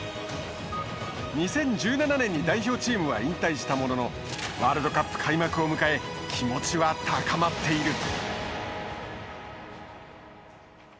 ２０１７年に代表チームは引退したもののワールドカップ開幕を迎え気持ちは高まっている。